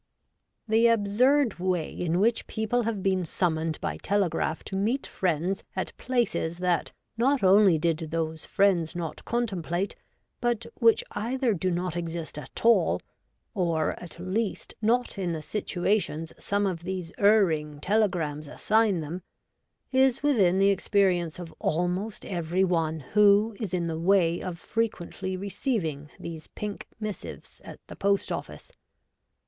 The absurd way in which people have been summoned by telegraph to meet friends at places that not only did those friends not contemplate, but which either do not exist at all, or, at least, not in the situations some of these erring telegrams assign them, is within the experience of almost every one who is in the way of frequently receiving these pink missives at the post office.